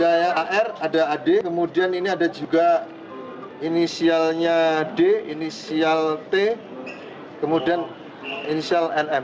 ada a r ada a d kemudian ini ada juga inisialnya d inisial t kemudian inisial n m